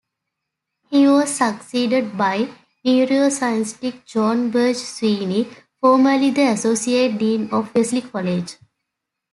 He was succeeded by neuroscientist Joanne Berger-Sweeney, formerly the Associate Dean of Wellesley College.